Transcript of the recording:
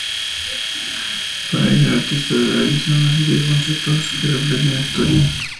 Para ello, el artista debe realizar una serie de bocetos que reflejen la historia.